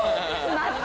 待って。